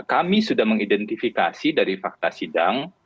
kami sudah mengidentifikasi dari fakta sidang